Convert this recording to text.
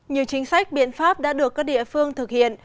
nhiều chính sách biện pháp đã được các địa phương thực hiện